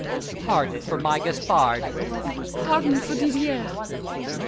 Pardon for my Gaspard! MARION. Pardon for Didier!